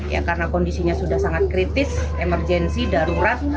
ya karena kondisinya sudah sangat kritis emergensi darurat